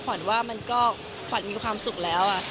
ขวัญว่ามันก็ขวัญมีความสุขแล้ว